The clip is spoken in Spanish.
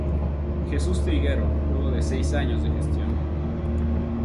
Jesús Triguero luego de seis años de gestión.